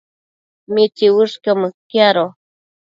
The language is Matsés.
¿mitsiuëshquio mëquiado?